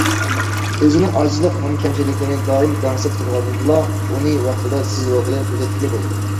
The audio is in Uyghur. ئۆزىنىڭ ئاجىزلىق ھەم كەمچىلىكلىرىنى دائىم دەڭسەپ تۇرغاندىلا، ئۇنى ۋاقتىدا سېزىۋالغىلى، تۈزەتكىلى بولىدۇ.